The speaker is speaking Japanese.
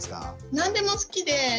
何でも好きで。